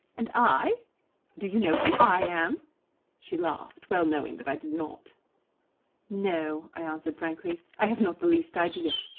And I do you know who I am?" She laughed, well knowing that I did not. "No," I answered frankly. "I have not the least idea.